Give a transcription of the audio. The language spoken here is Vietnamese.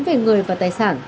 về người và tài sản